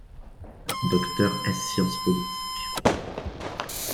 Docteur ès sciences politiques.